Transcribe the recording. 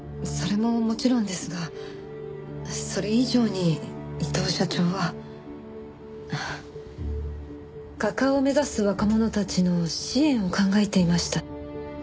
それももちろんですがそれ以上に伊藤社長は画家を目指す若者たちの支援を考えていました。